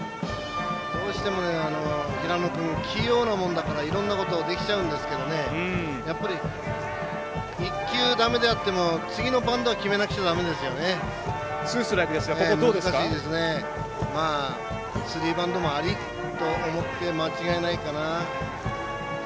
どうしても平野君器用なもんだからいろんなことできちゃうもんだからやっぱり、一球だめであっても次のバントはツーストライクですがスリーバントもありと思って間違いないかな。